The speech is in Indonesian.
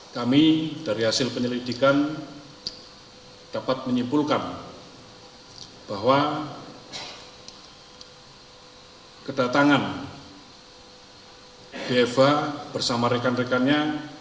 kami dari hasil penyelidikan dapat menyimpulkan bahwa kedatangan dfa bersama rekan rekannya